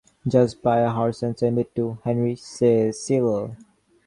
Just buy a horse and send it to Henry Cecil.